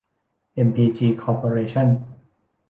เอ็มพีจี คอร์ปอเรชั่น